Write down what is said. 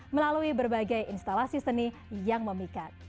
melalui berbagai instalasi seni yang memikat